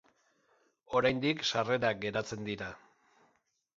Oraindik sarrerak geratzen dira.